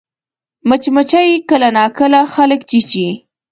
مچمچۍ کله ناکله خلک چیچي